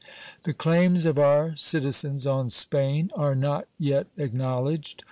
The claims of our citizens on Spain are not yet acknowledged.